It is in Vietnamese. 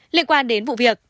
liên quan đến vụ việc